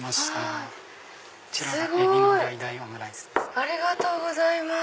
ありがとうございます。